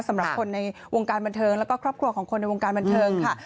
สำหรับคนในวงการบันเทิงแล้วก็ครอบครัวของคนในวงการบันเทิงค่ะ